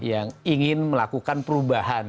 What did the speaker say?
yang ingin melakukan perubahan